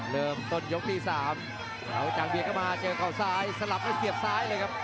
เริ่มต้นยกตี๓ขาวกระจ่างเบียดเข้ามาเจอก่อนซ้ายสลับแล้วเสียบซ้ายเลยครับ